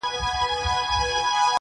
بس کارونه وه د خدای حاکم د ښار سو,